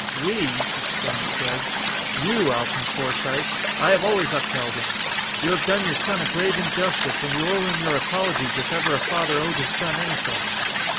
"We!" exclaimed the judge. "You, Alton Forsythe! I have always upheld him. You have done your son a grave injustice and you owe him your apologies if ever a father owed his son anything."